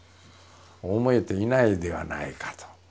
思えていないではないかと。